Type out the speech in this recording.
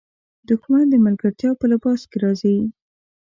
دښمن د ملګرتیا په لباس کې راځي